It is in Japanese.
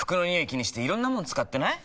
気にしていろんなもの使ってない？